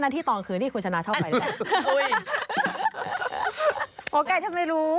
อันนั้นที่ตอนคืนนี่คือชนะชอบไป